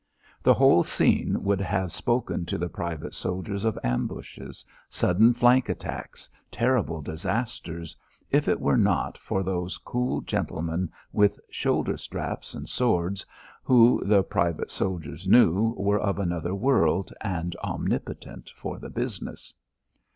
The whole scene would have spoken to the private soldiers of ambushes, sudden flank attacks, terrible disasters, if it were not for those cool gentlemen with shoulder straps and swords who, the private soldiers knew, were of another world and omnipotent for the business.